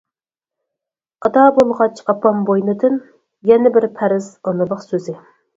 ئادا بولغاچ ئاپام بوينىدىن، يەنە بىر پەرز، ئانىلىق سۆزى.